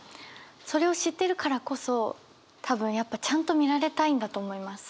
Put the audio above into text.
それを知ってるからこそ多分やっぱちゃんと見られたいんだと思います。